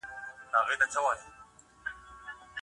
د انرژۍ مصرف بحث راپورته کړی.